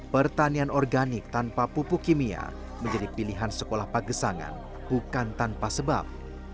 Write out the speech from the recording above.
pertanian organik tanpa pupuk kimia menjadi pilihan sekolah pagesangan bukan tanpa sebab